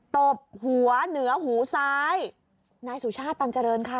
ตบหัวเหนือหูซ้ายนายสุชาติตันเจริญค่ะ